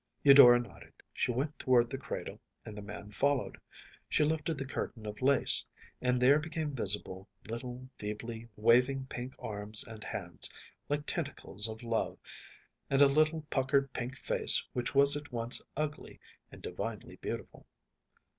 Eudora nodded. She went toward the cradle, and the man followed. She lifted the curtain of lace, and there became visible little feebly waving pink arms and hands, like tentacles of love, and a little puckered pink face which was at once ugly and divinely beautiful.